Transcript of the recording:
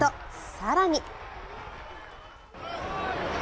更に。